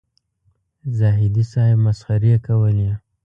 زاهدي صاحب مسخرې کولې.